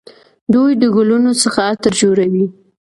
دوی د ګلونو څخه عطر جوړوي.